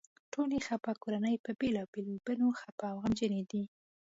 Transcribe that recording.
خو ټولې خپه کورنۍ په بېلابېلو بڼو خپه او غمجنې دي.